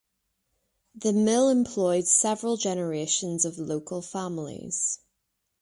The mill employed several generations of local families.